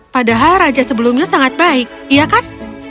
padahal raja sebelumnya sangat baik iya kan